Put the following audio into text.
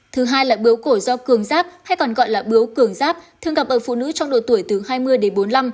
thứ hai là biếu cổ do cường giáp hay còn gọi là bướu cường giáp thường gặp ở phụ nữ trong độ tuổi từ hai mươi đến bốn mươi năm